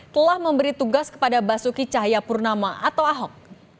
telah memberi tugas kepada basuki cahayapurnama atau ahok